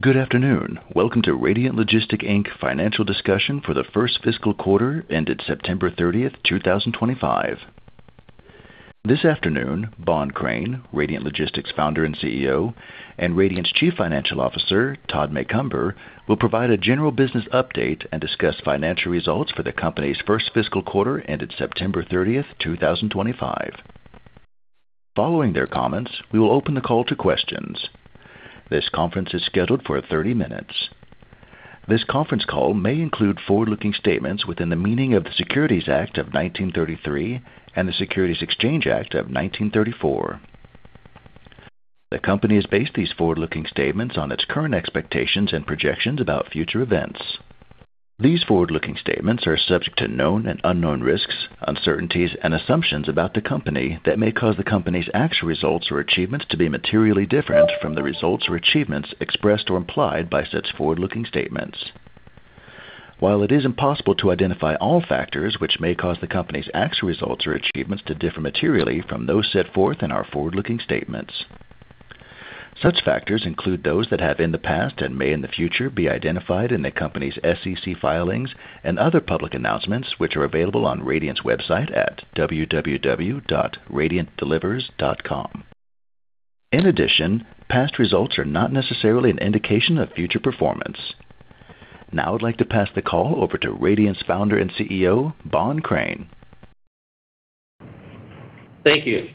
Good afternoon. Welcome to Radiant Logistics financial discussion for the first fiscal quarter ended September 30th, 2025. This afternoon, Bohn Crain, Radiant Logistics' founder and CEO, and Radiant's Chief Financial Officer, Todd Macomber, will provide a general business update and discuss financial results for the company's first fiscal quarter ended September 30th, 2025. Following their comments, we will open the call to questions. This conference is scheduled for 30 minutes. This conference call may include forward-looking statements within the meaning of the Securities Act of 1933 and the Securities Exchange Act of 1934. The company has based these forward-looking statements on its current expectations and projections about future events. These forward-looking statements are subject to known and unknown risks, uncertainties, and assumptions about the company that may cause the company's actual results or achievements to be materially different from the results or achievements expressed or implied by such forward-looking statements. While it is impossible to identify all factors which may cause the company's actual results or achievements to differ materially from those set forth in our forward-looking statements, such factors include those that have in the past and may in the future be identified in the company's SEC filings and other public announcements which are available on Radiant's website at www.radiantdelivers.com. In addition, past results are not necessarily an indication of future performance. Now I'd like to pass the call over to Radiant's founder and CEO, Bohn Crain. Thank you.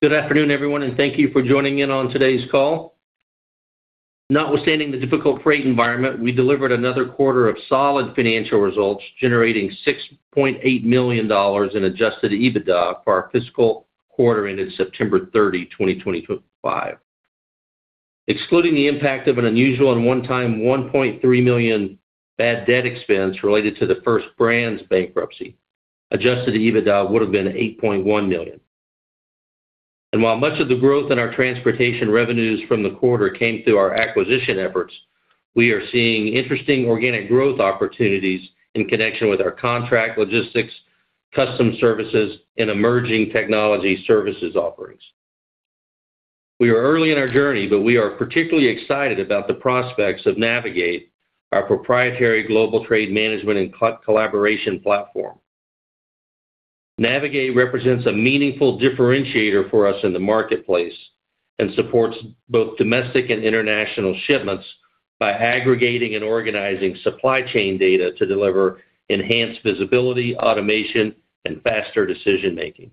Good afternoon, everyone, and thank you for joining in on today's call. Notwithstanding the difficult freight environment, we delivered another quarter of solid financial results, generating $6.8 million in adjusted EBITDA for our fiscal quarter ended September 30th, 2025. Excluding the impact of an unusual and one-time $1.3 million bad debt expense related to the First Brands bankruptcy, adjusted EBITDA would have been $8.1 million. While much of the growth in our transportation revenues from the quarter came through our acquisition efforts, we are seeing interesting organic growth opportunities in connection with our contract logistics, customs services, and emerging technology services offerings. We are early in our journey, but we are particularly excited about the prospects of Navegate, our proprietary global trade management and collaboration platform. Navegate represents a meaningful differentiator for us in the marketplace and supports both domestic and international shipments by aggregating and organizing supply chain data to deliver enhanced visibility, automation, and faster decision-making.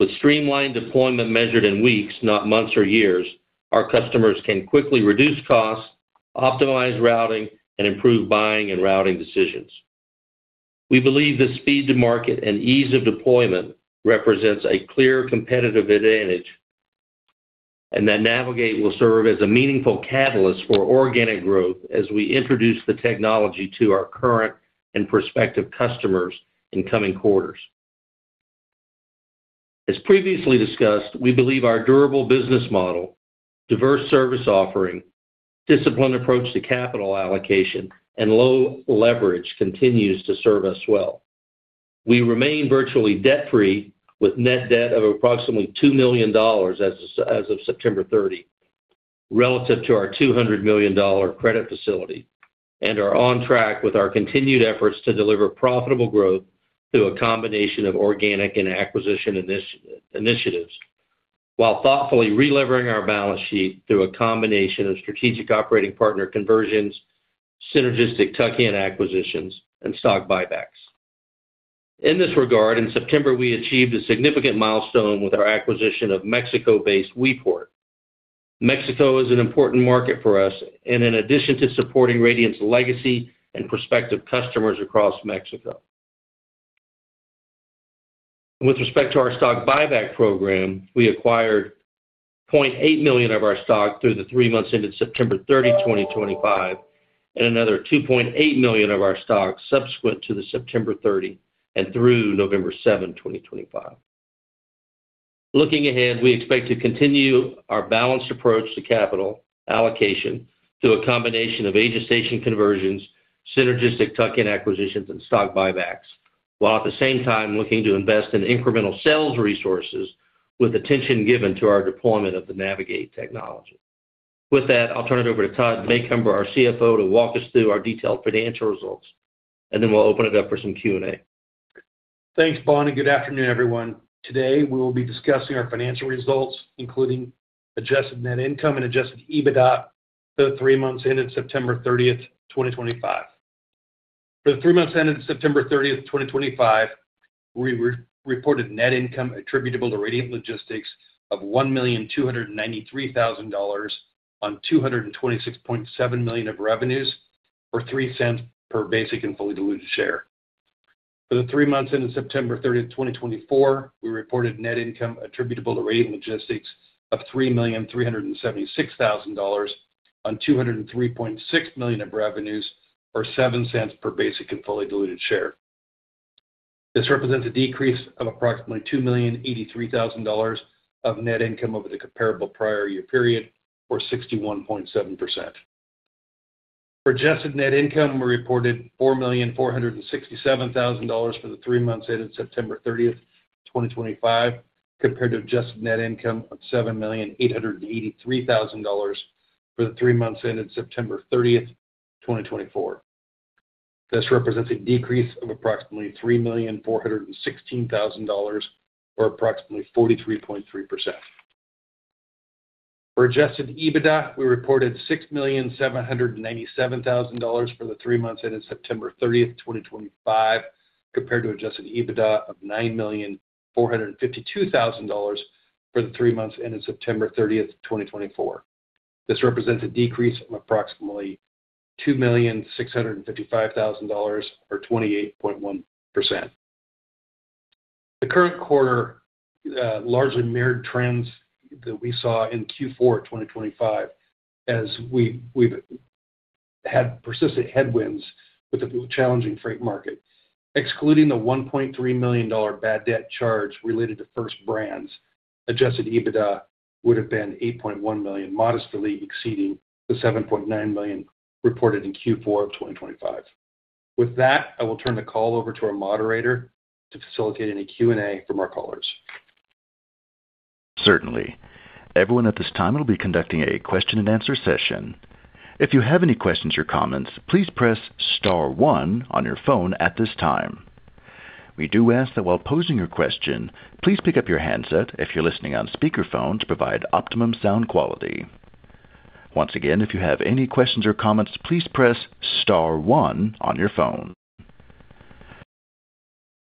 With streamlined deployment measured in weeks, not months or years, our customers can quickly reduce costs, optimize routing, and improve buying and routing decisions. We believe the speed to market and ease of deployment represents a clear competitive advantage and that Navegate will serve as a meaningful catalyst for organic growth as we introduce the technology to our current and prospective customers in coming quarters. As previously discussed, we believe our durable business model, diverse service offering, disciplined approach to capital allocation, and low leverage continues to serve us well. We remain virtually debt-free, with net debt of approximately $2 million as of September 30th relative to our $200 million credit facility, and are on track with our continued efforts to deliver profitable growth through a combination of organic and acquisition initiatives, while thoughtfully re-levering our balance sheet through a combination of strategic operating partner conversions, synergistic tuck-in acquisitions, and stock buybacks. In this regard, in September, we achieved a significant milestone with our acquisition of Mexico-based Weport. Mexico is an important market for us in addition to supporting Radiant's legacy and prospective customers across Mexico. With respect to our stock buyback program, we acquired $0.8 million of our stock through the three months ended September 30th, 2025, and another $2.8 million of our stock subsequent to September 30th and through November 7th, 2025. Looking ahead, we expect to continue our balanced approach to capital allocation through a combination of age-adjustment conversions, synergistic tuck-in acquisitions, and stock buybacks, while at the same time looking to invest in incremental sales resources with attention given to our deployment of the Navegate technology. With that, I'll turn it over to Todd Macomber, our CFO, to walk us through our detailed financial results, and then we'll open it up for some Q&A. Thanks, Bohn, and good afternoon, everyone. Today, we will be discussing our financial results, including adjusted net income and adjusted EBITDA for the three months ended September 30th, 2025. For the three months ended September 30th, 2025, we reported net income attributable to Radiant Logistics of $1,293,000 on $226.7 million of revenues or $0.03 per basic and fully diluted share. For the three months ended September 30th, 2024, we reported net income attributable to Radiant Logistics of $3,376,000 on $203.6 million of revenues or $0.07 per basic and fully diluted share. This represents a decrease of approximately $2,083,000 of net income over the comparable prior year period or 61.7%. For adjusted net income, we reported $4,467,000 for the three months ended September 30th, 2025, compared to adjusted net income of $7,883,000 for the three months ended September 30th, 2024. This represents a decrease of approximately $3,416,000 or approximately 43.3%. For adjusted EBITDA, we reported $6,797,000 for the three months ended September 30th, 2025, compared to adjusted EBITDA of $9,452,000 for the three months ended September 30th, 2024. This represents a decrease of approximately $2,655,000 or 28.1%. The current quarter largely mirrored trends that we saw in Q4 2025 as we've had persistent headwinds with the challenging freight market. Excluding the $1.3 million bad debt charge related to First Brands, adjusted EBITDA would have been $8.1 million, modestly exceeding the $7.9 million reported in Q4 of 2025. With that, I will turn the call over to our moderator to facilitate any Q&A from our callers. Certainly. Everyone at this time will be conducting a question-and-answer session. If you have any questions or comments, please press star one on your phone at this time. We do ask that while posing your question, please pick up your handset if you're listening on speakerphone to provide optimum sound quality. Once again, if you have any questions or comments, please press star one on your phone.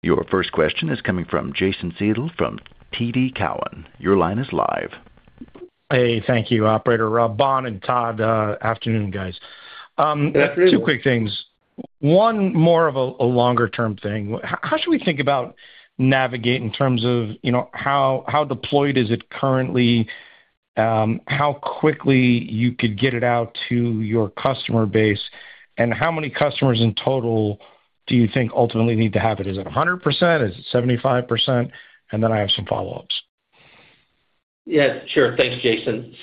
Your first question is coming from Jason Seidl from TD Cowen. Your line is live. Hey, thank you, Operator. Bohn and Todd, afternoon, guys. Good afternoon. Two quick things. One, more of a longer-term thing. How should we think about Navegate in terms of how deployed is it currently, how quickly you could get it out to your customer base, and how many customers in total do you think ultimately need to have it? Is it 100%? Is it 75%? And then I have some follow-ups. Yes, sure. Thanks, Jason.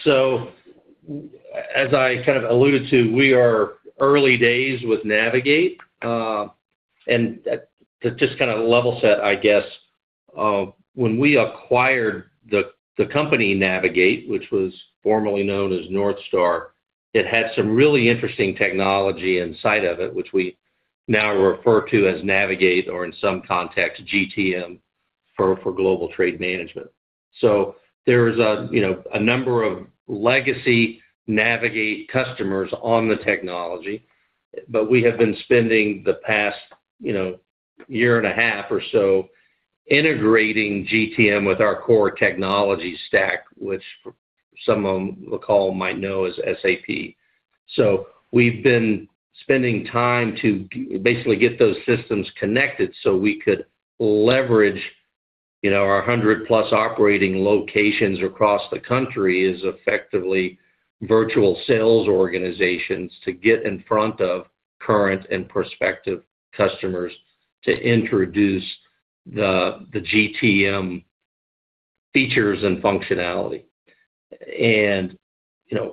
As I kind of alluded to, we are early days with Navegate. To just kind of level set, I guess, when we acquired the company Navegate, which was formerly known as Northstar, it had some really interesting technology inside of it, which we now refer to as Navegate or, in some context, GTM for global trade management. There is a number of legacy Navegate customers on the technology, but we have been spending the past year and a half or so integrating GTM with our core technology stack, which some of the call might know as SAP. We have been spending time to basically get those systems connected so we could leverage our 100+ operating locations across the country as effectively virtual sales organizations to get in front of current and prospective customers to introduce the GTM features and functionality.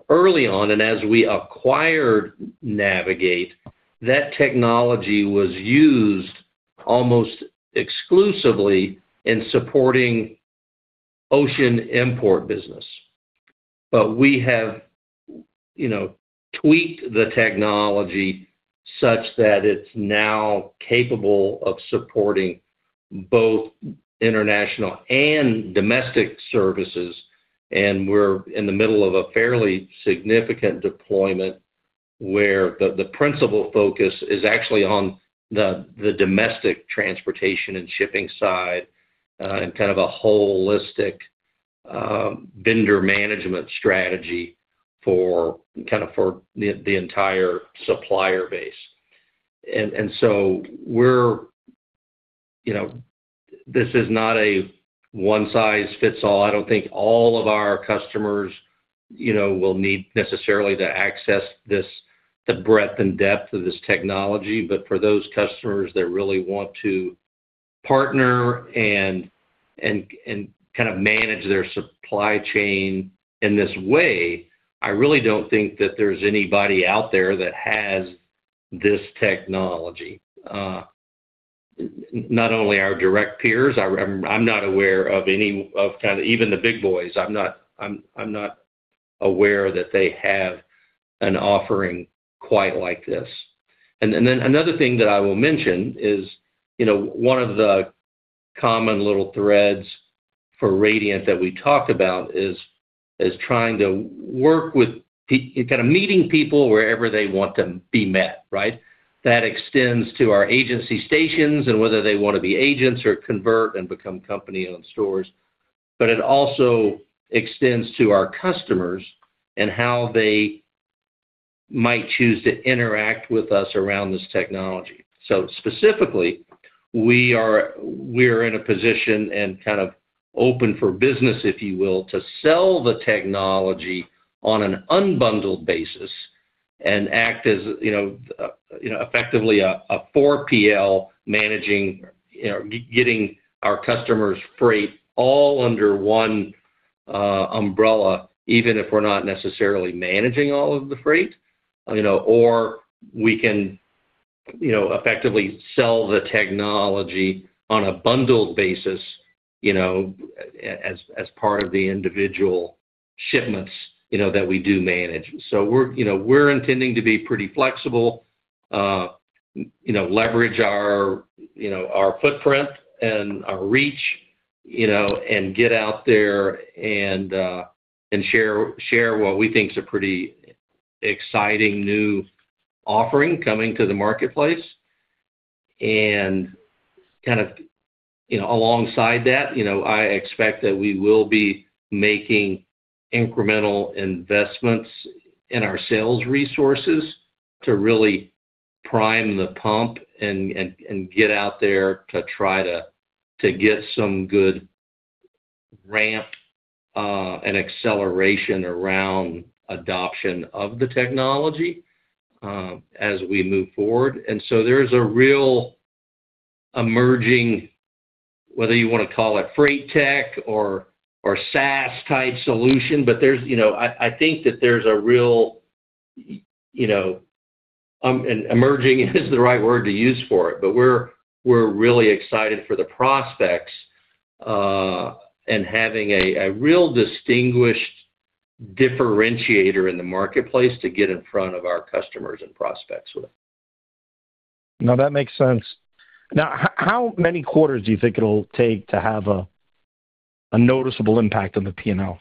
Early on, as we acquired Navegate, that technology was used almost exclusively in supporting ocean import business. We have tweaked the technology such that it is now capable of supporting both international and domestic services, and we are in the middle of a fairly significant deployment where the principal focus is actually on the domestic transportation and shipping side and kind of a holistic vendor management strategy for the entire supplier base. This is not a one-size-fits-all. I do not think all of our customers will necessarily need to access the breadth and depth of this technology, but for those customers that really want to partner and manage their supply chain in this way, I really do not think that there is anybody out there that has this technology. Not only our direct peers, I am not aware of any of even the big boys. I'm not aware that they have an offering quite like this. Another thing that I will mention is one of the common little threads for Radiant that we talk about is trying to work with kind of meeting people wherever they want to be met, right? That extends to our agency stations and whether they want to be agents or convert and become company-owned stores, but it also extends to our customers and how they might choose to interact with us around this technology. Specifically, we are in a position and kind of open for business, if you will, to sell the technology on an unbundled basis and act as effectively a 4PL managing getting our customers' freight all under one umbrella, even if we're not necessarily managing all of the freight, or we can effectively sell the technology on a bundled basis as part of the individual shipments that we do manage. We are intending to be pretty flexible, leverage our footprint and our reach, and get out there and share what we think is a pretty exciting new offering coming to the marketplace. Kind of alongside that, I expect that we will be making incremental investments in our sales resources to really prime the pump and get out there to try to get some good ramp and acceleration around adoption of the technology as we move forward. There is a real emerging, whether you want to call it freight tech or SaaS-type solution, but I think that there's a real emerging is the right word to use for it. We're really excited for the prospects and having a real distinguished differentiator in the marketplace to get in front of our customers and prospects with. No, that makes sense. Now, how many quarters do you think it'll take to have a noticeable impact on the P&L?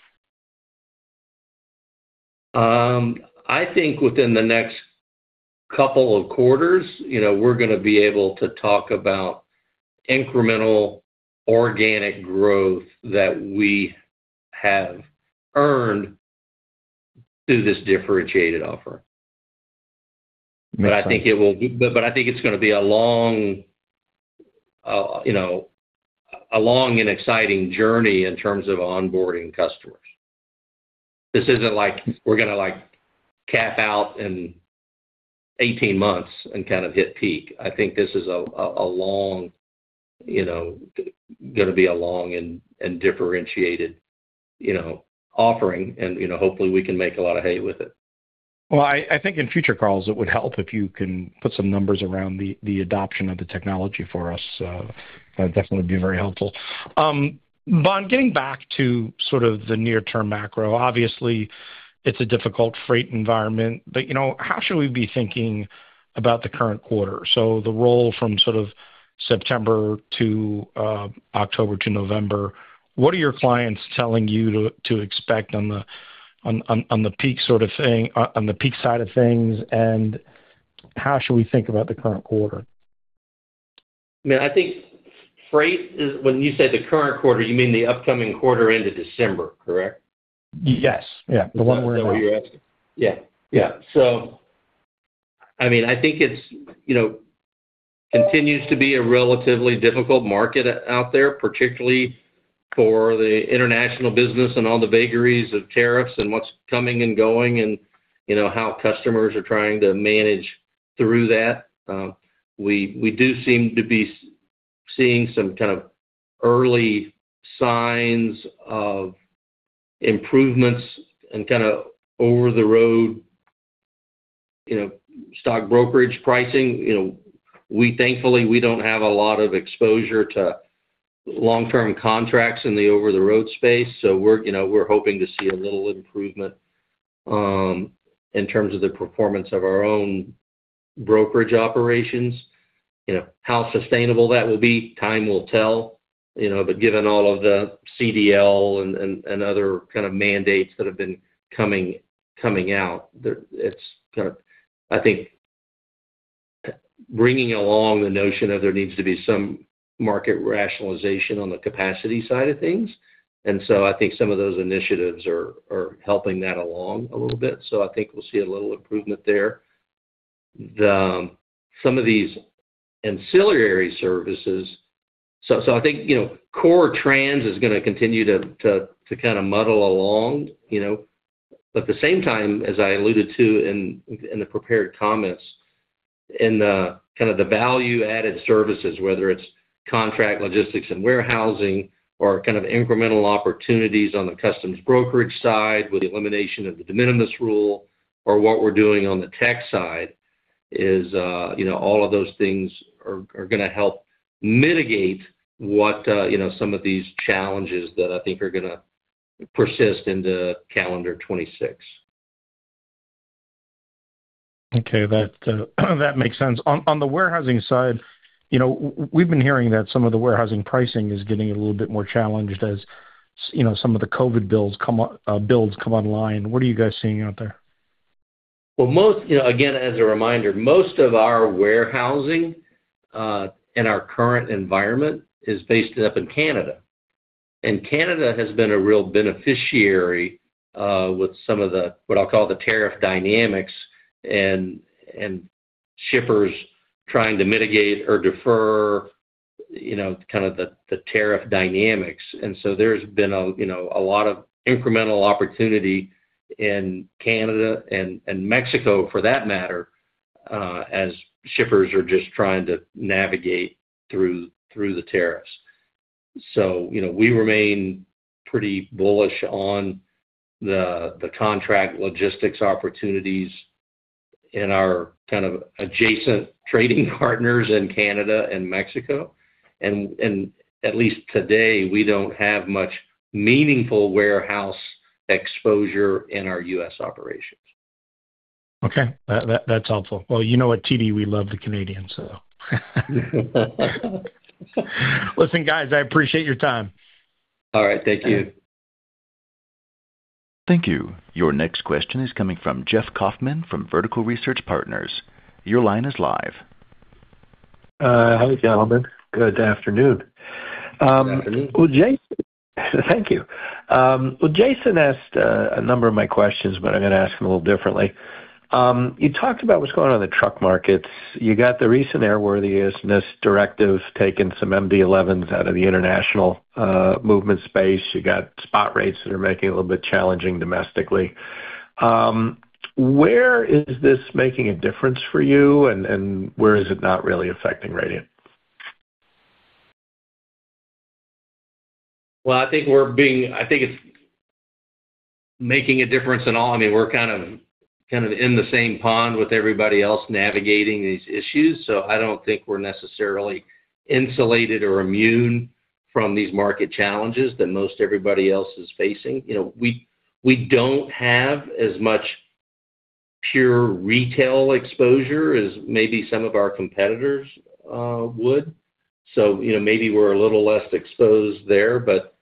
I think within the next couple of quarters, we're going to be able to talk about incremental organic growth that we have earned through this differentiated offer. I think it's going to be a long and exciting journey in terms of onboarding customers. This isn't like we're going to cap out in 18 months and kind of hit peak. I think this is going to be a long and differentiated offering, and hopefully, we can make a lot of hay with it. I think in future calls, it would help if you can put some numbers around the adoption of the technology for us. That would definitely be very helpful. Bohn, getting back to sort of the near-term macro, obviously, it's a difficult freight environment, but how should we be thinking about the current quarter? The roll from sort of September to October to November, what are your clients telling you to expect on the peak sort of thing, on the peak side of things, and how should we think about the current quarter? I mean, I think freight is when you say the current quarter, you mean the upcoming quarter end of December, correct? Yes. Yeah. The one we're in right now. That's what you're asking. Yeah. Yeah. So I mean, I think it continues to be a relatively difficult market out there, particularly for the international business and all the vagaries of tariffs and what's coming and going and how customers are trying to manage through that. We do seem to be seeing some kind of early signs of improvements and kind of over-the-road stock brokerage pricing. Thankfully, we don't have a lot of exposure to long-term contracts in the over-the-road space, so we're hoping to see a little improvement in terms of the performance of our own brokerage operations. How sustainable that will be, time will tell, but given all of the CDL and other kind of mandates that have been coming out, it's kind of, I think, bringing along the notion of there needs to be some market rationalization on the capacity side of things. I think some of those initiatives are helping that along a little bit. I think we'll see a little improvement there. Some of these ancillary services, so I think core trans is going to continue to kind of muddle along. At the same time, as I alluded to in the prepared comments, in kind of the value-added services, whether it's contract logistics and warehousing or kind of incremental opportunities on the customs brokerage side with the elimination of the de minimis rule or what we're doing on the tech side, all of those things are going to help mitigate what some of these challenges that I think are going to persist into calendar 2026. Okay. That makes sense. On the warehousing side, we've been hearing that some of the warehousing pricing is getting a little bit more challenged as some of the COVID builds come online. What are you guys seeing out there? Again, as a reminder, most of our warehousing in our current environment is based up in Canada. Canada has been a real beneficiary with some of the, what I'll call, the tariff dynamics and shippers trying to mitigate or defer kind of the tariff dynamics. There has been a lot of incremental opportunity in Canada and Mexico, for that matter, as shippers are just trying to navigate through the tariffs. We remain pretty bullish on the contract logistics opportunities in our kind of adjacent trading partners in Canada and Mexico. At least today, we do not have much meaningful warehouse exposure in our U.S. operations. Okay. That's helpful. You know what? TD, we love the Canadians, though. Listen, guys, I appreciate your time. All right. Thank you. Thank you. Your next question is coming from Jeff Kaufman from Vertical Research Partners. Your line is live. Hi, gentlemen. Good afternoon. Good afternoon. Thank you. Jason asked a number of my questions, but I'm going to ask them a little differently. You talked about what's going on in the truck markets. You got the recent airworthiness directive taking some MD-11s out of the international movement space. You got spot rates that are making it a little bit challenging domestically. Where is this making a difference for you, and where is it not really affecting Radiant? I think it's making a difference in all. I mean, we're kind of in the same pond with everybody else navigating these issues, so I don't think we're necessarily insulated or immune from these market challenges that most everybody else is facing. We don't have as much pure retail exposure as maybe some of our competitors would. Maybe we're a little less exposed there, but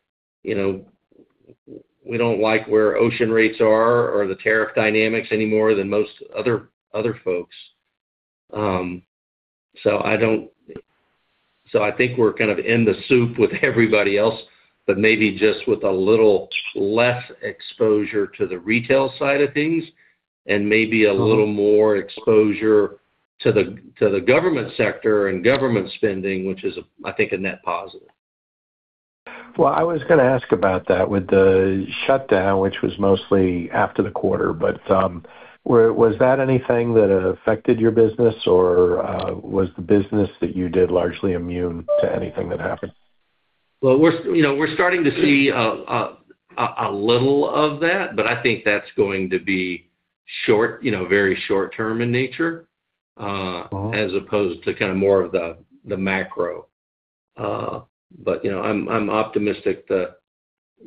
we don't like where ocean rates are or the tariff dynamics any more than most other folks. I think we're kind of in the soup with everybody else, but maybe just with a little less exposure to the retail side of things and maybe a little more exposure to the government sector and government spending, which is, I think, a net positive. I was going to ask about that with the shutdown, which was mostly after the quarter, but was that anything that affected your business, or was the business that you did largely immune to anything that happened? We're starting to see a little of that, but I think that's going to be very short-term in nature as opposed to kind of more of the macro. I'm optimistic the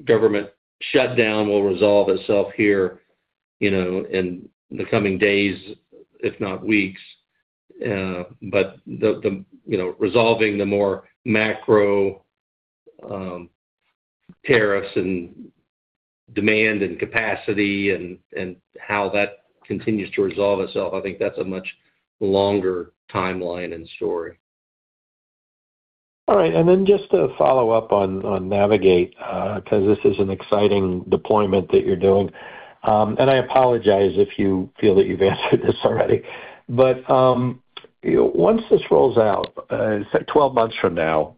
government shutdown will resolve itself here in the coming days, if not weeks, but resolving the more macro tariffs and demand and capacity and how that continues to resolve itself. I think that's a much longer timeline and story. All right. Just to follow up on Navegate, because this is an exciting deployment that you're doing, and I apologize if you feel that you've answered this already, but once this rolls out, say 12 months from now,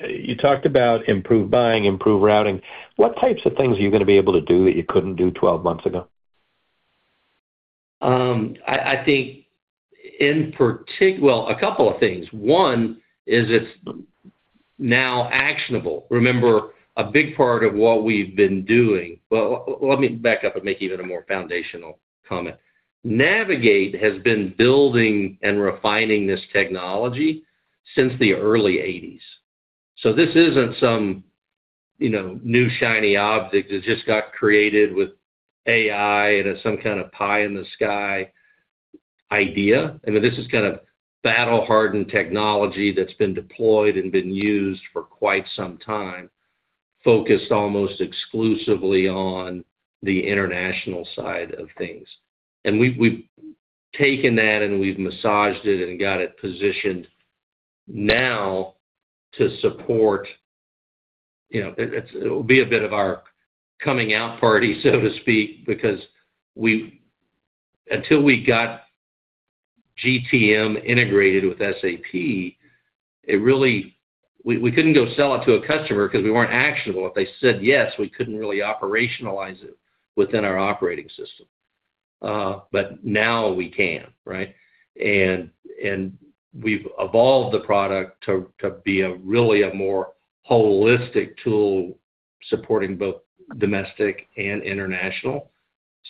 you talked about improved buying, improved routing. What types of things are you going to be able to do that you could not do 12 months ago? I think, well, a couple of things. One is it's now actionable. Remember, a big part of what we've been doing, let me back up and make even a more foundational comment. Navegate has been building and refining this technology since the early 1980s. This isn't some new shiny object that just got created with AI and some kind of pie-in-the-sky idea. I mean, this is kind of battle-hardened technology that's been deployed and been used for quite some time, focused almost exclusively on the international side of things. We've taken that, and we've massaged it and got it positioned now to support it will be a bit of our coming-out party, so to speak, because until we got GTM integrated with SAP, we couldn't go sell it to a customer because we weren't actionable. If they said yes, we couldn't really operationalize it within our operating system. Now we can, right? We've evolved the product to be really a more holistic tool supporting both domestic and international.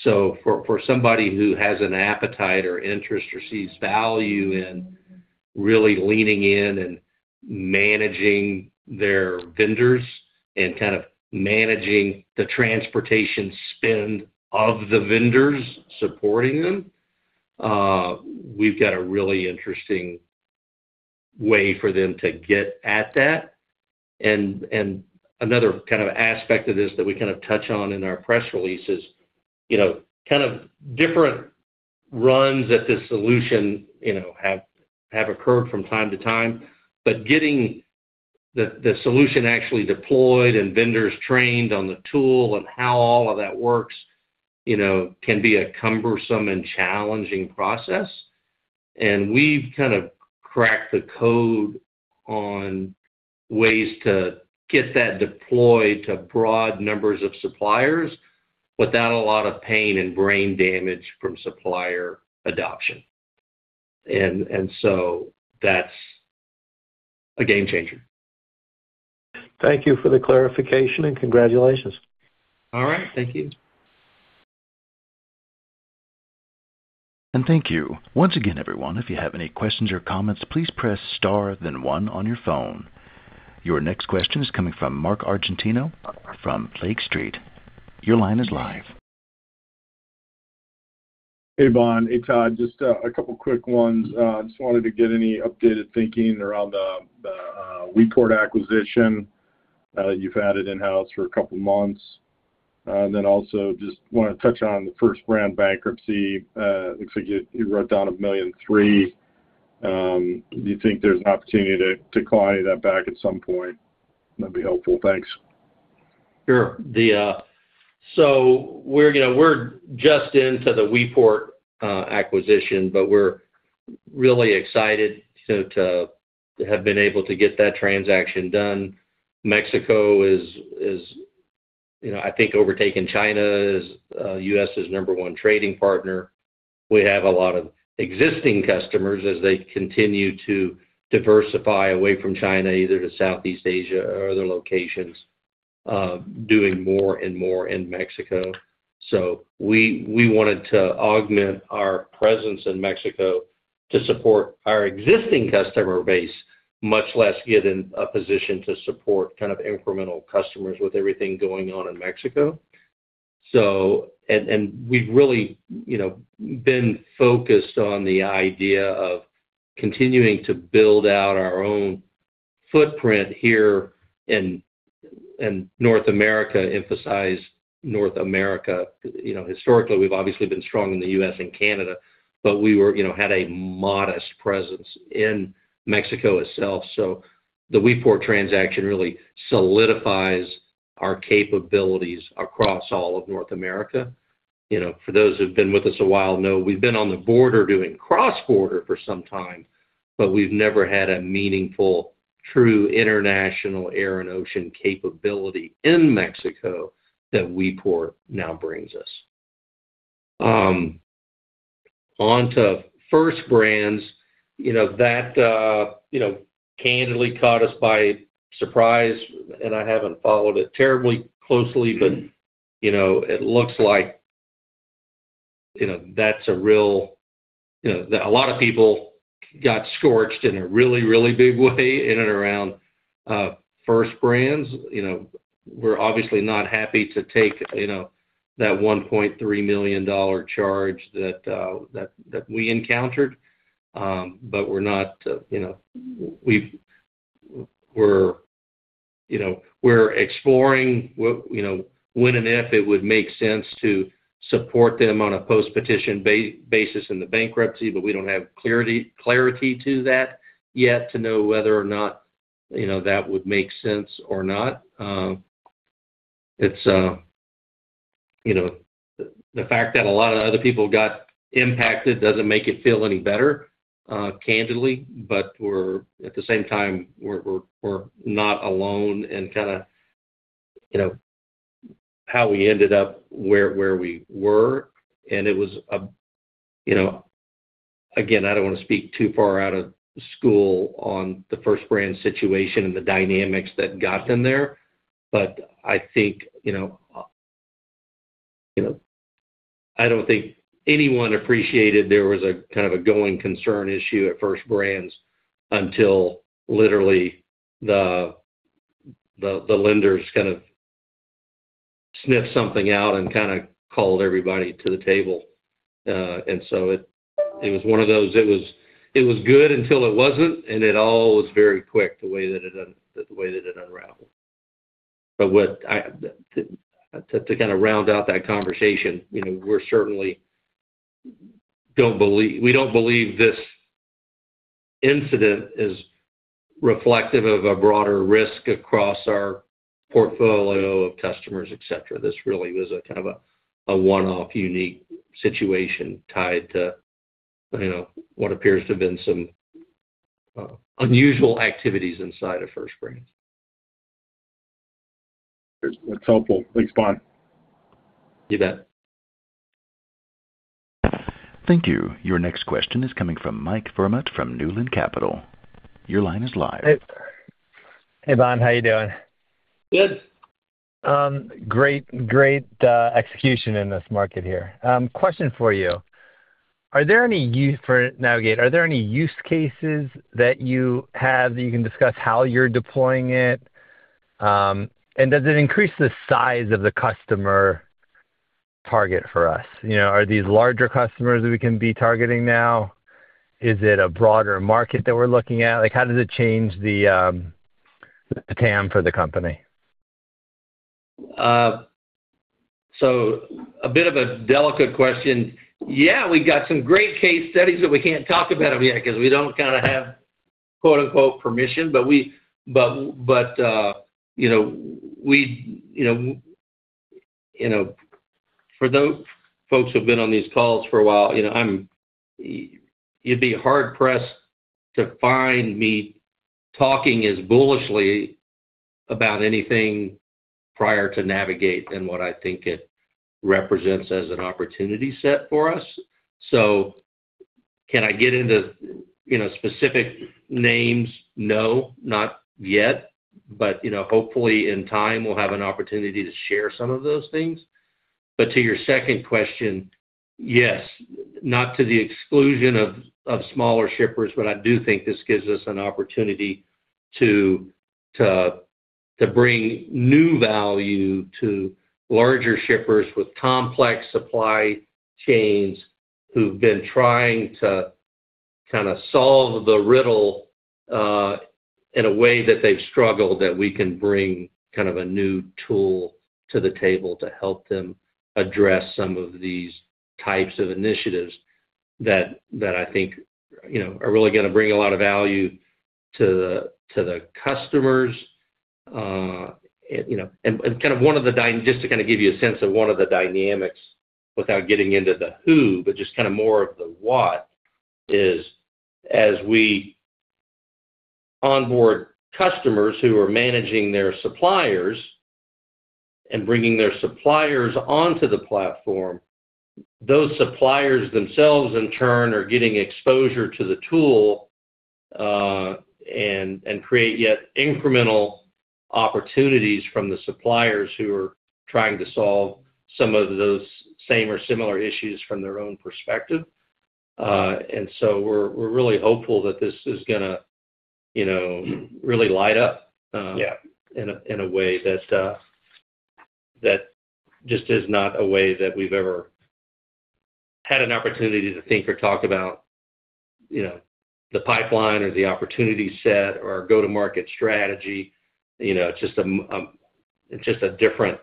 For somebody who has an appetite or interest or sees value in really leaning in and managing their vendors and kind of managing the transportation spend of the vendors supporting them, we've got a really interesting way for them to get at that. Another kind of aspect of this that we kind of touch on in our press release is kind of different runs that this solution have occurred from time to time, but getting the solution actually deployed and vendors trained on the tool and how all of that works can be a cumbersome and challenging process. We've kind of cracked the code on ways to get that deployed to broad numbers of suppliers without a lot of pain and brain damage from supplier adoption. That's a game changer. Thank you for the clarification, and congratulations. All right. Thank you. Thank you. Once again, everyone, if you have any questions or comments, please press star, then one on your phone. Your next question is coming from Mark Argento from Lake Street. Your line is live. Hey, Bohn. Hey, Todd. Just a couple of quick ones. Just wanted to get any updated thinking around the Weport acquisition. You've had it in-house for a couple of months. Then also just want to touch on the First Brands bankruptcy. Looks like you wrote down $1.3 million. Do you think there's an opportunity to call any of that back at some point? That'd be helpful. Thanks. Sure. So we're just into the Weport acquisition, but we're really excited to have been able to get that transaction done. Mexico is, I think, overtaking China. The U.S. is number one trading partner. We have a lot of existing customers as they continue to diversify away from China, either to Southeast Asia or other locations, doing more and more in Mexico. We wanted to augment our presence in Mexico to support our existing customer base, much less get in a position to support kind of incremental customers with everything going on in Mexico. We've really been focused on the idea of continuing to build out our own footprint here in North America, emphasize North America. Historically, we've obviously been strong in the U.S. and Canada, but we had a modest presence in Mexico itself. The Weport transaction really solidifies our capabilities across all of North America. For those who've been with us a while know we've been on the border doing cross-border for some time, but we've never had a meaningful, true international air and ocean capability in Mexico that Weport now brings us. On to First Brands. That candidly caught us by surprise, and I haven't followed it terribly closely, but it looks like that's a real, a lot of people got scorched in a really, really big way in and around First Brands. We're obviously not happy to take that $1.3 million charge that we encountered, but we're exploring when and if it would make sense to support them on a post-petition basis in the bankruptcy, but we don't have clarity to that yet to know whether or not that would make sense or not. The fact that a lot of other people got impacted doesn't make it feel any better, candidly. At the same time, we're not alone in kind of how we ended up where we were. It was a, again, I don't want to speak too far out of school on the First Brands situation and the dynamics that got them there, but I think, I don't think anyone appreciated there was a kind of a going concern issue at First Brands until literally the lenders kind of sniffed something out and kind of called everybody to the table. It was one of those, it was good until it wasn't, and it all was very quick the way that it unraveled. To kind of round out that conversation, we don't believe this incident is reflective of a broader risk across our portfolio of customers, etc. This really was a kind of a one-off, unique situation tied to what appears to have been some unusual activities inside of First Brands. That's helpful. Thanks, Bohn. You bet. Thank you. Your next question is coming from Mike Vermut from Newland Capital. Your line is live. Hey, Bohn. How are you doing? Good. Great, great execution in this market here. Question for you. Are there any use for Navegate? Are there any use cases that you have that you can discuss how you're deploying it? Does it increase the size of the customer target for us? Are these larger customers that we can be targeting now? Is it a broader market that we're looking at? How does it change the TAM for the company? A bit of a delicate question. Yeah, we've got some great case studies, but we can't talk about them yet because we don't kind of have "permission." For those folks who have been on these calls for a while, you'd be hard-pressed to find me talking as bullishly about anything prior to Navegate and what I think it represents as an opportunity set for us. Can I get into specific names? No, not yet. Hopefully, in time, we'll have an opportunity to share some of those things. To your second question, yes, not to the exclusion of smaller shippers, but I do think this gives us an opportunity to bring new value to larger shippers with complex supply chains who've been trying to kind of solve the riddle in a way that they've struggled, that we can bring kind of a new tool to the table to help them address some of these types of initiatives that I think are really going to bring a lot of value to the customers. Kind of one of the, just to kind of give you a sense of one of the dynamics without getting into the who, but just kind of more of the what is as we onboard customers who are managing their suppliers and bringing their suppliers onto the platform, those suppliers themselves, in turn, are getting exposure to the tool and create yet incremental opportunities from the suppliers who are trying to solve some of those same or similar issues from their own perspective. We are really hopeful that this is going to really light up in a way that just is not a way that we have ever had an opportunity to think or talk about the pipeline or the opportunity set or go to market strategy. It is just a different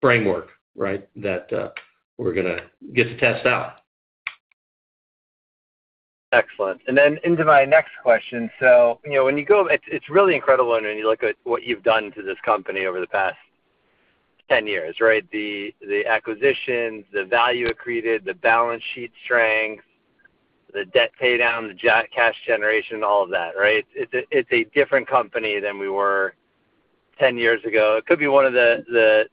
framework, right, that we are going to get to test out. Excellent. Into my next question. When you go, it's really incredible when you look at what you've done to this company over the past 10 years, right? The acquisitions, the value accreted, the balance sheet strength, the debt paydown, the cash generation, all of that, right? It's a different company than we were 10 years ago. It could be one of the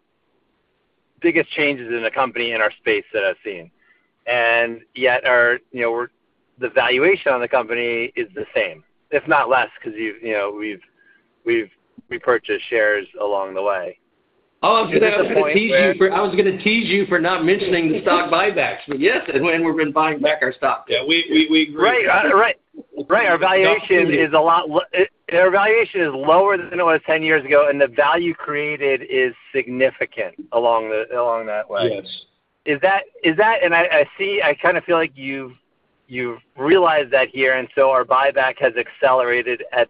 biggest changes in a company in our space that I've seen. Yet the valuation on the company is the same, if not less, because we've repurchased shares along the way. I was going to tease you for not mentioning the stock buybacks. But yes, we've been buying back our stock. Yeah. We agree. Right. Our valuation is lower than it was 10 years ago, and the value created is significant along that way. Yes. Is that and I kind of feel like you've realized that here. Our buyback has accelerated at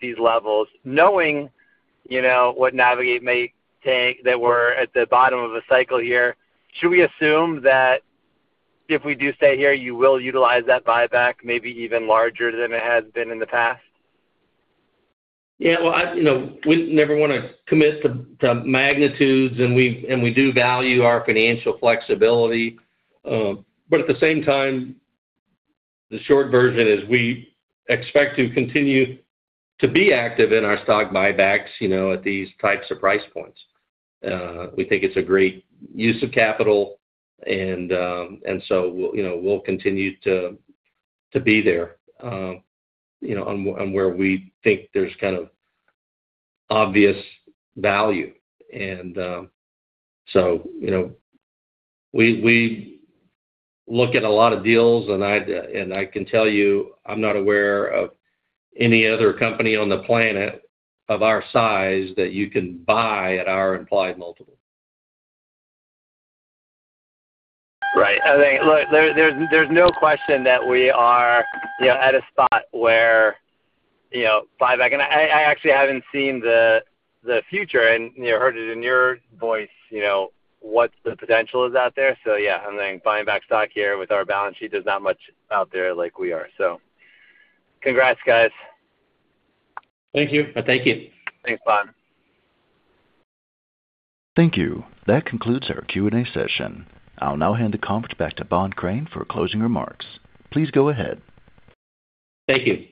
these levels. Knowing what Navegate may take that we're at the bottom of a cycle here, should we assume that if we do stay here, you will utilize that buyback maybe even larger than it has been in the past? Yeah. We never want to commit to magnitudes, and we do value our financial flexibility. At the same time, the short version is we expect to continue to be active in our stock buybacks at these types of price points. We think it's a great use of capital, and we'll continue to be there on where we think there's kind of obvious value. We look at a lot of deals, and I can tell you I'm not aware of any other company on the planet of our size that you can buy at our implied multiple. Right. I think there's no question that we are at a spot where buyback and I actually haven't seen the future and heard it in your voice what the potential is out there. Yeah, I'm saying buying back stock here with our balance sheet is not much out there like we are. Congrats, guys. Thank you. Thanks, Bon. Thank you. That concludes our Q&A session. I'll now hand the conference back to Bohn Crain for closing remarks. Please go ahead. Thank you.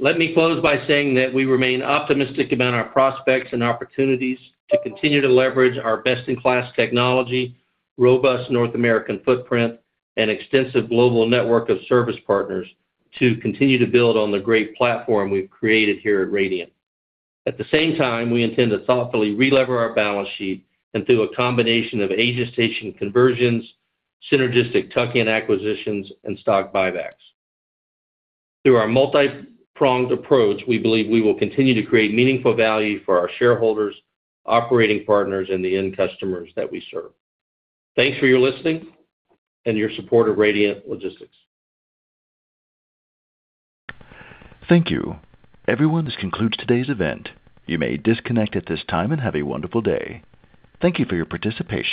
Let me close by saying that we remain optimistic about our prospects and opportunities to continue to leverage our best-in-class technology, robust North American footprint, and extensive global network of service partners to continue to build on the great platform we've created here at Radiant. At the same time, we intend to thoughtfully re-lever our balance sheet and through a combination of agestation conversions, synergistic tuck-in acquisitions, and stock buybacks. Through our multi-pronged approach, we believe we will continue to create meaningful value for our shareholders, operating partners, and the end customers that we serve. Thanks for your listening and your support of Radiant Logistics. Thank you. Everyone, this concludes today's event. You may disconnect at this time and have a wonderful day. Thank you for your participation.